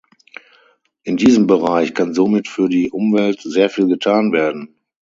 In diesem Bereich kann somit für die Umwelt sehr viel getan werden.